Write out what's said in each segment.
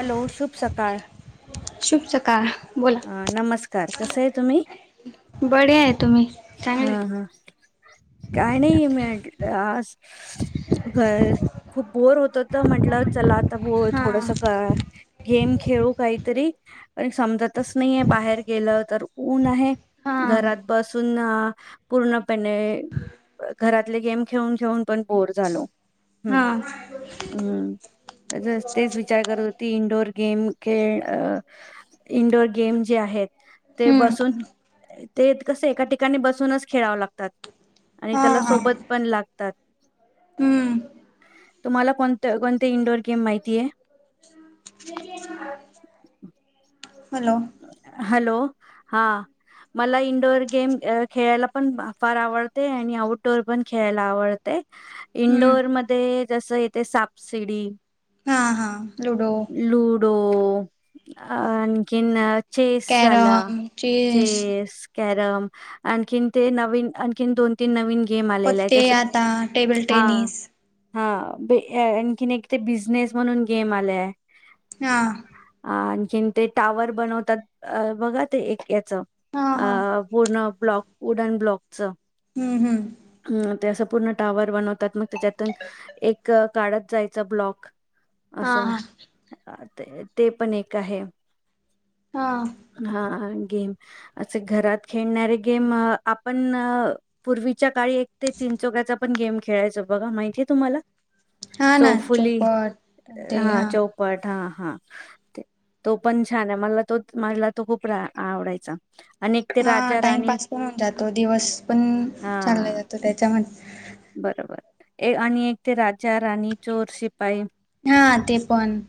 Alloy शुभ सकाळ काळ ह नमस्कार कसं आहे तुम्ही बढ्या येत हा हा काही नाही म खूप बोर होत तर म्हंटलं चला त हा थोडसा का गेम खेळू काहीतरी समजतच नाहीये बाहेर गेलं तर ऊन आहे हा घरात बस पूर्णपणे घरातले गेम खेळून खेऊन पण बोर झालो हा हम्म हम्म तेच विचार करत होती इंडोअर गेम खेळ इंडोअर गेम जे आहेत ते हम्म बसून ते कस एका ठिकाणी बसूनच खेळाव लागतात आणि हा त्याला हा सोबत पण लागतात हम्म तुम्हाला कोण कोणते इंडोअर गेम माहितीय हॅलो हॅलो हा मला इंडोर गेम खेळायला पण फार आवडते आणि आउटडोअर पण खेळायला आवडते हम्म इंडोअरमध्येध्ये जसं इथे सापसिडी हां लूडो ड आणखीन चेस झाला चेस कॅरम आणखीन ते नवीन आणखीन दोन तीन नवीन गेम आलेले आहे पते जस आता टेबल हा. टेनिस हा ब आणखीन ते बिझनेस म्हणून गेम आलेय हा आणखीन ते टावर बनवतात अ बघा ते एक अ हा हा पूर्ण ब्लॉक उडन ब्लॉक हम्म हम्म म् ते अस पूर्ण टावर बन मग त्याच्यातून एक काढत जायचा ब्लॉक हा असं हा ते ते पण एक आहे हा हा गेम अस घरात खेळणारे गेम अ आपण पूर्वीच्या. पूर्वीचा काळी एक ते चिंचोक्याचा पण गेम. खेळायचं बघा माहितीये तुम्हाला. हा ना चौफुली चोपट ते हा. हा हा तो पण छान आहे, मला तो, मला तो खूप रा आवडायचा. आणि एक ते हा राजा राणी टाइमपास पण होऊन जातो दिवस पण चांगला हा जातो त्याच्यामध्ये. बरोबर एक आणि एक ते राजा राणी चोर श पाई हा ते पण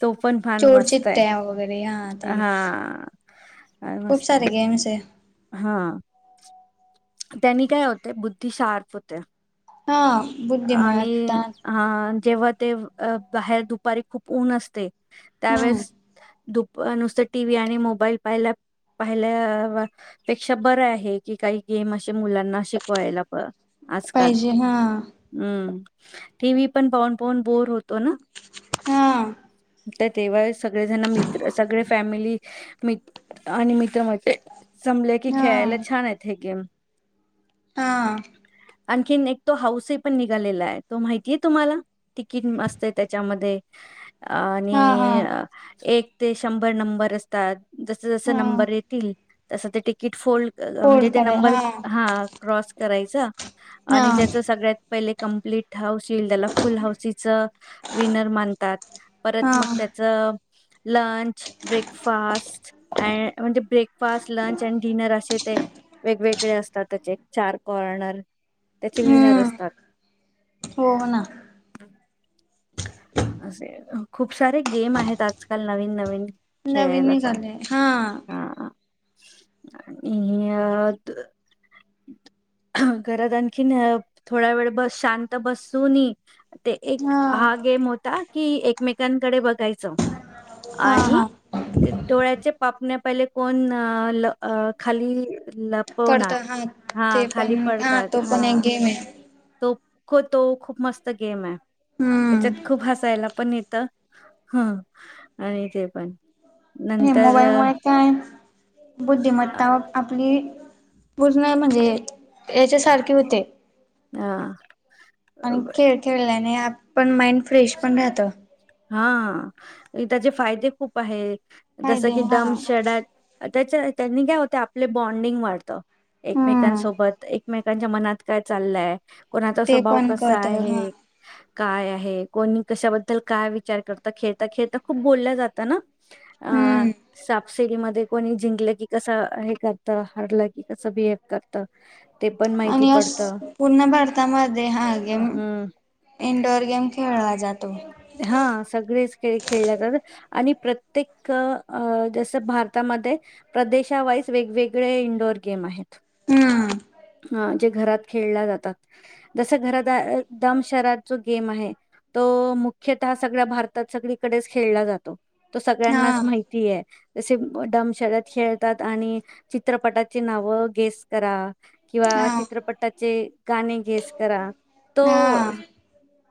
तो पण फार चोर मस्त आहे चिट्ट्या वगैरे ते हा खूप मस्त आहे सारे गेम्स आहे. हा. त्यांनी काय होते बुद्धी शार्प होत्या. हा बुद्धिमत्ता. अ जेव्हा ते बाहेर दुपारी खूप ऊन असतय. हम्म त्यावेेळेस दु पण नुसतं टी व्ही आणि मोबाईल पाहिल्या पाहिल्या पेक्षा बरं आहे, की काही. गेम असे मुला ना शिकवायला प आजकाल पाहिजे हा हम्म. टी व्ही पण पाहून पाहून बोर होत. हा. तर तेव्हा. सगळे जण मित्र सगळे फॅमिली. मी आणि मित्र म्ह जमले की हा खेळायला छान आहेत हे. गेम. हा आणखीन एक तो हाऊसही पण निघालेला आहे, तो माहितीय तुम्हाला तिकीट मस्त त्याच्यामध्ये. हा हा आणि एक. ते शंभर नंबर असतात. जसं जसं हा नंबर येतील. तसं ते तिकीट फोल्ड अ फोड म्हणजे. कराय नंबर हा हा क्रॉस. करायचा. हा आणि ज्याच सगळ्यात. पहिले कम्प्लीट हाऊस. त्याला फुल हऊसीच विनर मानतात हा परत मग त्याच. लंच ब्रेकफास्ट आ म्हणजे ब्रेकफास्ट लंच आणि डिनर असे ते. वेगवेगळे असतात त्याचे चार कॉर्नर त्याचे विनर असतात. हम्म हो ना असंय खूप सारे गेम आहेत आजकाल नवीन नवीन नवीन खेळायलाचा निघाले हां. हा आणि अ घरात आणखीन थोडा वेळ बस शांत बसूनही ते एक हा गेम होता की एक मेकांकडे बघाय चं हा हा आणि डोळ्याचे पापण्या पहिले कोण ल खाली पडत लपवणार हा. ते पण हा, तो पण एक गेम हाय. तो क तो खूप मस्त गेम हाए. हम्म त्याच्यात खूप हसायला पण पण येत, ह आणि ते पण नंतर मोबाईल मुळे काय बुद्धिमत्ता व आपली पूर्ण म्हणजे याच्यासारखी होते. अ आं. आणि खेळ खेळल्याने, आपण माइंड फ्रेश पण राहत. हा त्याचे फायदे खूप आहेत. जसं फायदे की, हा दम शेडात त्याच्या त्यांनी काय होते? आपले बॉन्डिंग वाढतं. हम्म एकमेकांसोबत एकमेक त्यांच्या मनात काय चाललंय? कोणाचा ते स्वभाव पण कसा कळत हा आहे? काय आहे? कोणी कशाबद्दल काय विचार करता? खेळता खेळता खूप बोलल्या जातं ना. हम्म. अ साप. सीडीमध्ये कोणी जिंकलं की कसं हे करत? हरलं की कसं बिहेव करतं. ते पण माहिती आणि अस पडतं. पूर्ण भारतामध्ये हा गेम, हम्म. इंडोअर गेम खेळला जातो. हा सगळेच खेळ खेळल्या जातात आणि प्रत्येक अ जस भारतामध्ये प्रदेशा वाईज वेगवेगळे इंडोर गेम आहेत, हम्म जे घरात खेळल्या जातात. जस घरा दम शर जो गेम आहे. तो मुख्यतः सगळ्या भारतात सगळीकडेच खेळला जातो तो हा सगळ्यांनाच माहितीय. जसे डमशडत खेळतात आणि चित्रपटाचे नाव गेसकरा हा किंवा चित्रपटाचे गाणे घेस करा तो हा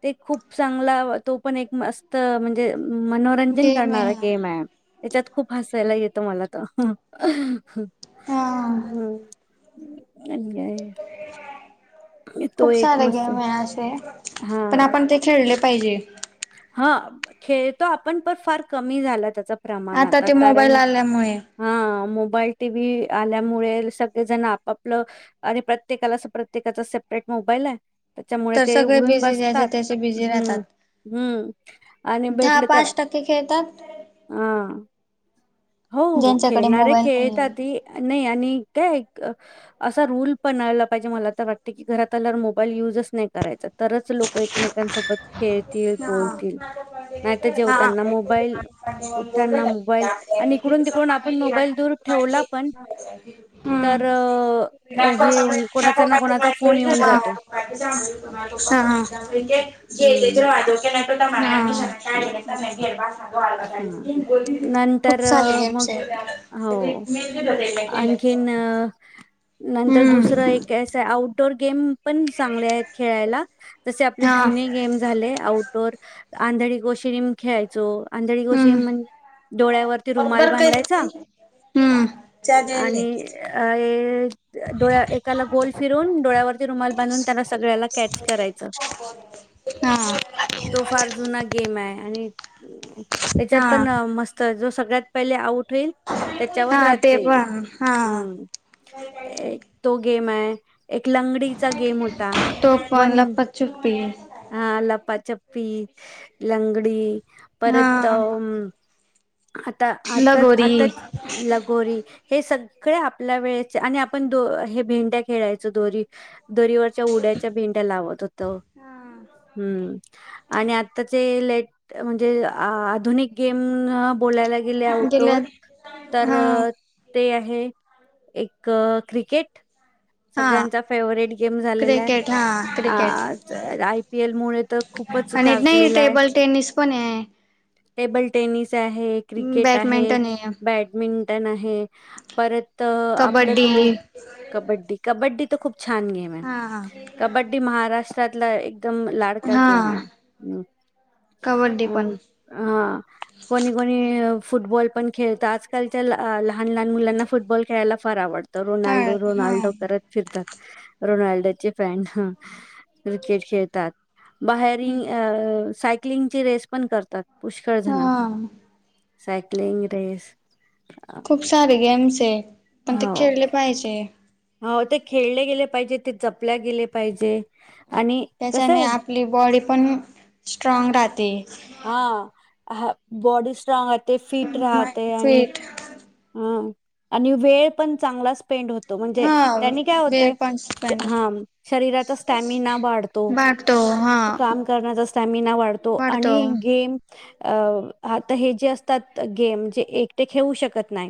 ते खूप. चांगला तो पण एक मस्त म्हणजे मनोरंजन गेम आहे करणारा गेम आहे त्याच्यात खूप हयला येत. मला तर हम. हा अय [inaudible] खूप सारे गेम आहे असे पण हा आपण ते खेळले. पाहिजे. हा खेळतो आपण पण फार कमी झाला त्याचा आता प्रमाणात ते मोबाईल कारण आल्यामुळे हा. मोबाईल टी व्ही आल्यामुळे सगळेजण आपापलं आणि प्रत्येकाला अस प्रत्येकाचा सेपरेट मोबाईल आहे. त्याच्यामुळे तर ते सगळे उघडून बिझी ज्याचे बसतात त्याचे बिझी राहतात. हम्म हम्म आणि दहा भेटलं तर पाच टक्के खेळतात हा. हो ज्यांच्याकडे खेळणारे मोबाईल नाहीये. खेळताताती नाही आणि काय एक असा रूल पणला पाहिजे मला तर वाटते की घरात आल्यावर मोबाईल युजच नाही करायचा. तरच लोक एकमेकांसोबत खेळतील बोलतील नाहीतर जेवताना मोबाईल उठताना मोबाईल आणि इकडून-तिकडून आपण मोबाईल दूर ठेवला पण ह तर अ, हे येऊन कोणाचा हा. ना कोणाचा फोन येऊन जातो. हा. हं. हा. हं, खूप अ, हां. नंतर चांगले अ, मग गेम्स आहेत. हो. आणखीन अ नंतर हम्म दुसरं एक ऐसा आउट डोअर. पण चांगल्या खेळायला तसे आपले हा जुने गेम झाले आउट डोअर. आंधळी कोशिंबीर खेळायचो. आंधळी हम्म. कोशिंबीर म्हणजे डोळ्यावरती रुमाल बांधायचा आणि एकाला गोल फिरवून डोळ्यावर रुमाल बांधून त्याने सगळ्यांना कॅच करायचं हा तो फार गेम आहे आणि त्याच्यात हा पण मस्त जुस सगळ्यात पहिले आऊट. हरेल त्याच्यावर हा ते राज्य येईल पण हा ह तो गेम आहे. एक लंगडीचा गेम होता तो पण वन लपाछुपी पी लंगडी हा परत अ आता आताच लगोरी आताच लगोरी हे सग इकडे आपल्या वेळेचे आणि आपण हे भेंड्या खेळायचो दोरी दोरीवरच्या उड्याच्या भेंड्या लावत होतो हा आणि आत्ताचे इलेक्ट्रिक म्हणजे आधुनिक गेम आपल्याला गेल्यावर गेल्या आउटडोर तर हा ते आहे एक क्रिकेट हा सगळ्यांचा फेवरेट गेम झालेला आहे क्रिकेट हा क्रिकेट आ आयपीएलमुळे तर खूपच आणि नाही गाजलेला आहे. टेबल टेनिस पण आहे टेबल टेनिस आहे क्रिकेट आहे बॅडमिंटन आहे बॅडमिंटन आहे परत आपलं तो कबड्डी कबड्डी बट्टी तर खूप छान गेम ह हा कबड्डी महाराष्ट्र त्यातला एक एकदम लाडका हा गेम आहे कबड्डी पण कोणी कोणी फुटबॉल पण खेळतात आजकालच्या लहान लहान मुलांना फुटबॉल खेळायला फार आवड हा रोनाल्डो हा रोनाल्डो फिरतात रोनाल्डोचे फॅन हं क्रिकेट खेळतात. बाहेरिंग अं साय क्लिंग ची रेस पण करतात. पुष्कळजण हा सैक्लींग रेस खूप सारे गेम्स ते पण ते हो खेळले पाहिजे. हो ते खेळले गेले पाहिजे ते जपल्या गेले पाहिजे आणि त्याच्याने कसं आपली बॉडी पण स्ट्राँग राहते. हां. अ बॉडी स्ट्राँग ते फिट राहते माइंड आणि फिट ह आणि वेळ पण चांगला स्पेंड होता म्हणजे हा त्यांनी काय होते वेळ पण स्पेंड ह शरीरा स्टमिना वाढतो वाढतो हा काम करण्याचा स्टमिना वाढतो आणि अ आता हे जे असतात गेम जे एकटे खेळू शकत नाही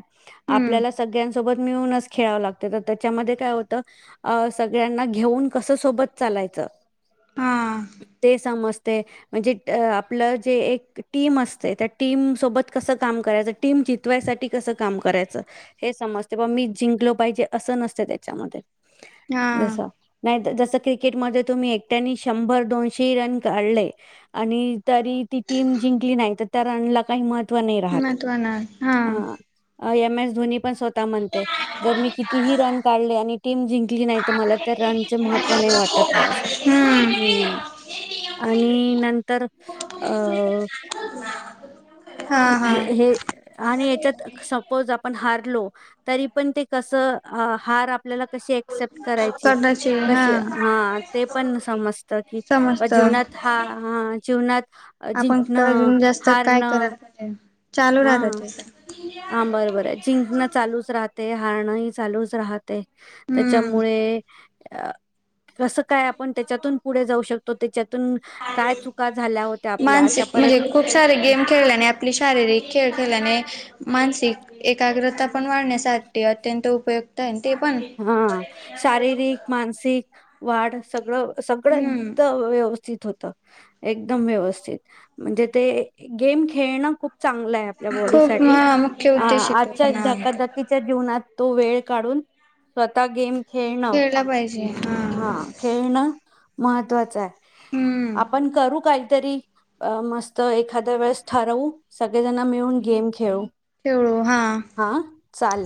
हम्म आपल्याला सगळ्यांच सोबत मिळूनच खेळावं लागते तर त्याच्यामध्ये काय होतं सगळ्यांना घेऊन कस सोबत चालायचं हां समजते ते म्हणजे अं आपलं जे एक टीम असते त्या टीम सोबत कसं काम करायचं टीम जितवायसाठी कसं काम करायचं हे समजते बा मी जिंकलो पाहिजे असं नसतं त्याच्यामध्ये हा जस नाही जस क्रिकेटमध्ये तुम्ही एकट्यानी शंभर दोनशे रन काढले आणि तरी ती टीम जिंकली नाही तर त्या रनला काही मतं महत्त्व ना हा एम एस धोनी पण स्वतः म्हणते जर मी कितीही रन काढले आणि टीम जिंकली नाही तर मला त्या रनचे महत्त्व नाही वाटतत हम्म ब् आणि नंतर हा हा आणि ह्याच्यात सपोज आपण हारलो तरी पण ते कसं हार आपल्याला कशी ॲक्सेप्ट करायची कदाची क हा हा ते पण समजत की समजत जीवनात हा जीवनात अ, आपण जिंकणं अजून जास्त काय हारणं करायला पायजे चालू हा राहतात हा बर बर आहे जिंकणं चालूच राहत. ते हारण ह चालूच राहते. हम्म त्याच्यामुळे अ कसं काय आपण त्याच्यात काय चुका झाल्या होत्या आपल्या त्या मानसिक म्हणजे परत खूप सारे गेम खेळल्याने आपली शारीरिक खेळ खेळल्याने मानसिक एक एकाग्रता पण वाढण्यासाठी अत्यंत उपयुक्त आहे. ते पण हा शारीरिक मानसिक वाढ सगळं सगळं हम्म एकदाम व्यवस् होत. एकदम व्यवस्थित. म्हणजे ते गेम खेळणं खूप चांगला आहे, आपल्या बॉडी खूप साठी हा मुख्य अ उद्देश येतो आजच्या पण हा धकाधकीच्या जीवनात तो वेळ काढून. स्वतः गेम खेळणं खेळला पाहिजे हा खेळण महत्त्वाचं आहे. हम्म आपण करू काही तरी मस्त एखाद्या वेळेस ठरवू सगळे जण मिळून गेम खेळू. ठेवळू हा! हां,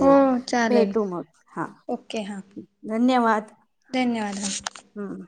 हो चालेल. भेटू मग. हां, ओके हां. धन्यवाद. धन्यवाद हा. हम्म!